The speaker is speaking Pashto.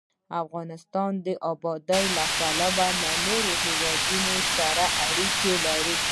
افغانستان د بادام له پلوه له نورو هېوادونو سره اړیکې لري.